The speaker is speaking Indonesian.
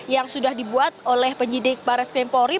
yang sudah dibuat oleh penyidik barat skrim polri